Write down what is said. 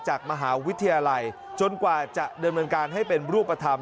จากมหาวิทยาลัยจนกว่าจะดำเนินการให้เป็นรูปธรรม